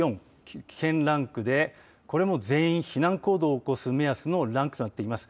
危険ランクでこれも全員、避難行動を起こす目安となっています。